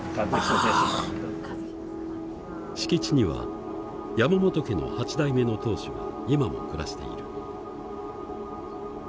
敷地には山本家の８代目の当主が今も暮らしている。